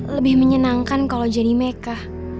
lebih menyenangkan kalau jadi mereka